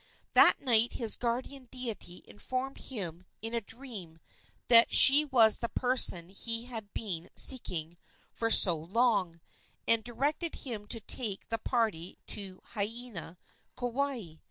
That night his guardian deity informed him in a dream that she was the person he had been seeking for so long, and directed him to take the party to Haena, Kauai.